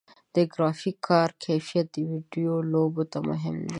د ګرافیک کارت کیفیت د ویډیو لوبو ته مهم دی.